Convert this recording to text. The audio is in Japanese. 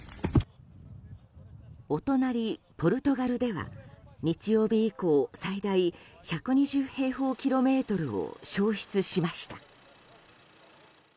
お隣ポルトガルでは日曜日以降最大１２０平方キロメートルを焼失しました。